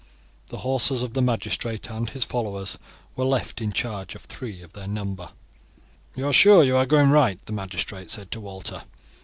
The horses of the magistrate and his followers were left in charge of three of their number. "You are sure you are going right?" the magistrate said to Walter.